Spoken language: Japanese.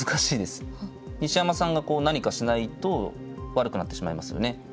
西山さんがこう何かしないと悪くなってしまいますよね。